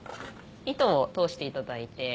糸を通していただいて。